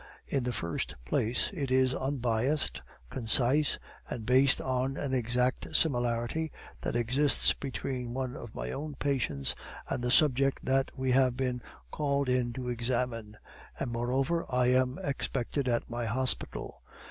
In the first place, it is unbiased, concise, and based on an exact similarity that exists between one of my own patients and the subject that we have been called in to examine; and, moreover, I am expected at my hospital.